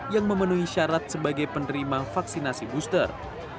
yang memenuhi syarat sebagai penerima vaksinasi booster